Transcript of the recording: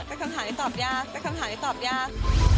แต่คำถามได้ตอบยากแต่คำถามได้ตอบยาก